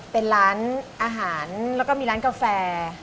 เป็นร้านอาหารแล้วก็มีร้านกาแฟ